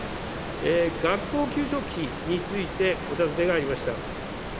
学校給食費についてお尋ねがありました。